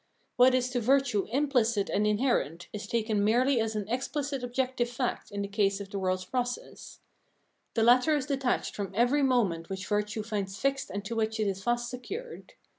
What is to virtue imphcit and inherent is taken merely as an ex phcit objective fact in the case of the world's process. The latter is detached from every moment which virtue finds fixed and to which it is fast secured.